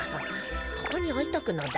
☎ここにおいとくのだ。